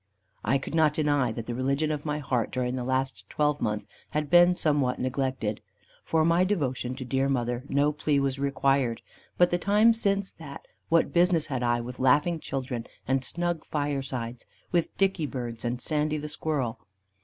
I could not deny, that the religion of my heart, during the last twelvemonth, had been somewhat neglected. For my devotion to dear mother, no plea was required. But the time since that, what business had I with laughing children, and snug firesides, with dickybirds, and Sandy the squirrel?